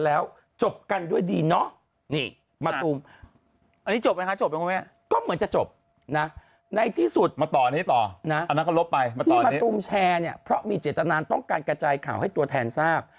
แล้วจบกันด้วยดีก็หมวยจะจบมาตรงแชร์เนี่ยเพราะมีเจตนาญต้องการกระจายข่าวให้ตัวแทนทราบ